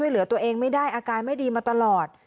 เหลือตัวเองไม่ได้อาการไม่ดีมาตลอด